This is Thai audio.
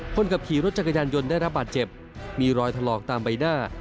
คนขับขี่รถจักรยานยนต์ได้รับบาดเจ็บมีรอยถลอกตามใบหน้า